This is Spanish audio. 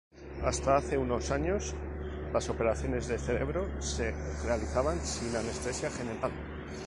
Hasta hace unos años, las operaciones del cerebro se realizaban sin anestesia general.